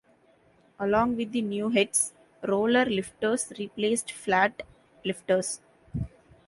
Along with the new heads, roller lifters replaced flat lifters.